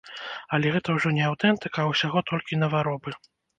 Але гэта ўжо не аўтэнтыка, а ўсяго толькі наваробы.